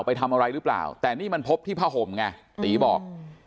ไปทำอะไรหรือเปล่าแต่นี่มันพบที่ผ้าห่มไงตีบอก